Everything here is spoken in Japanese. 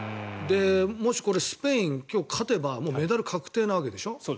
もしこれ、スペインに今日勝てばメダル確定なわけでしょ。